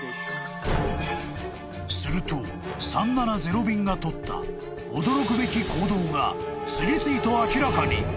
［すると３７０便が取った驚くべき行動が次々と明らかに］